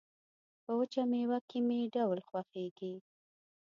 په وچه مېوه کې مې ډول خوښيږي